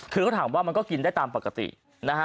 คือเขาถามว่ามันก็กินได้ตามปกตินะฮะ